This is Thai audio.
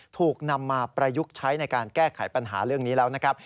ถูกนำมาประยุกต์ใช้ในการแก้ไขปัญหาเรื่องนี้แล้วนะครับ